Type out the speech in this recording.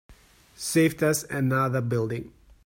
Saved us another building.